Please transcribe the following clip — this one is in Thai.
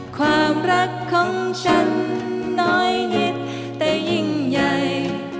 ความรักของฉันน้อยงิดแต่ยิ่งใหญ่